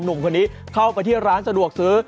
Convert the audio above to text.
หนุ่มคนนี้เข้าไปที่ร้านสะดวกซื้อ